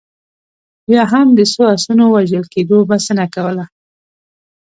یا هم د څو اسونو وژل کېدو بسنه کوله.